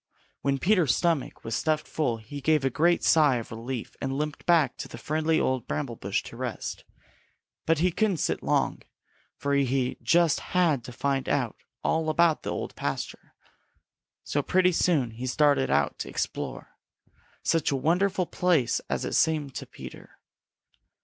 When Peter's stomach was stuffed full he gave a great sigh of relief and limped back to the friendly old bramble bush to rest. But he couldn't sit still long, for he just had to find out all about the Old Pasture. So pretty soon he started out to explore. Such a wonderful place as it seemed to Peter!